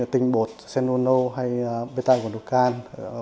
tinh bột xenonol hay beta guanucan